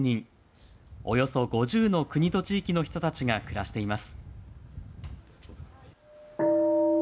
およそ５０の国と地域の人たちが暮らしています。